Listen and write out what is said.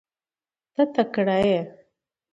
ته تکړه یې .